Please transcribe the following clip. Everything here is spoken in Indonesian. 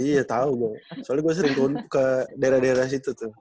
iya tau gue soalnya gue sering ke daerah daerah situ tuh